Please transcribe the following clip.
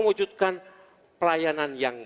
mewujudkan pelayanan yang